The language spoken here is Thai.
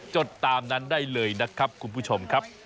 จดตามนั้นได้เลยนะครับคุณผู้ชมครับ